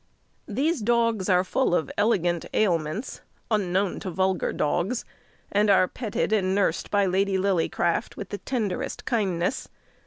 These dogs are full of elegant ailments unknown to vulgar dogs; and are petted and nursed by Lady Lillycraft with the tenderest kindness.